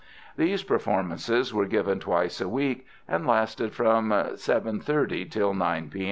These performances were given twice a week, and lasted from 7.30 till 9 P.